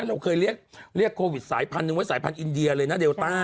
เราเคยเรียกเรียกโควิดสายพันธุ์นึงว่าสายพันธุ์อินเดียเลยนะเดลต้า